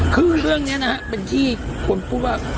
คือเรื่องนี้นะฮะเป็นที่ควรพูดว่า